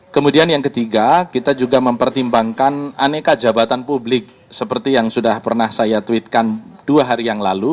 kemudian yang ketiga kita juga mempertimbangkan aneka jabatan publik seperti yang sudah pernah saya tweetkan dua hari yang lalu